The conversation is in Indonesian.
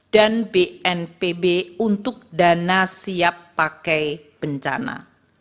dan bnpb untuk dana siap pakai bencana